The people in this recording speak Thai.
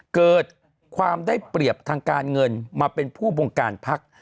เกิดความได้เปรียบทางการเงินมาเป็นผู้บงการพัก